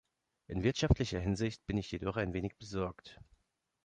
In wirtschaftlicher Hinsicht bin ich jedoch ein wenig besorgt.